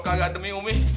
kalau kagak demi umi